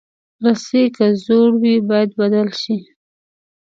رسۍ که زوړ وي، باید بدل شي.